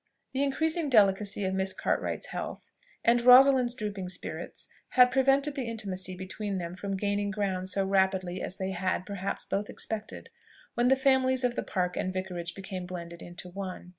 The increasing delicacy of Miss Cartwright's health, and Rosalind's drooping spirits, had prevented the intimacy between them from gaining ground so rapidly as they had, perhaps, both expected, when the families of the Park and Vicarage became blended into one.